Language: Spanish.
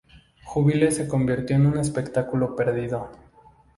Jubilee se convirtió en un espectáculo perdido.